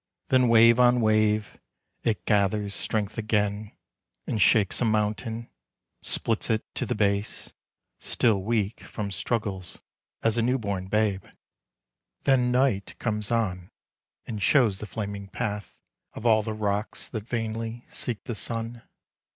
— Then wave on wave it gathers strength again Ami shakes a mountain, splits it to the base (Still weak from struggles as a new born babe). D night comes on, and shows the flaming path Of all the rocks that vainly seek the sun.